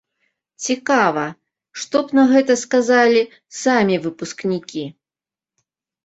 Цікава, што б на гэта сказалі самі выпускнікі?